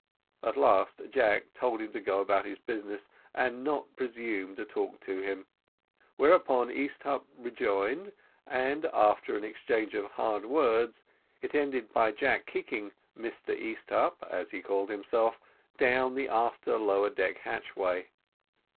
At last, Jack told him to go about his business, and not to presume to talk to him, whereupon Easthupp rejoined, and after an exchange of hard words, it ended by Jack kicking Mr Easthupp, as he called himself, down the after lower deck hatchway.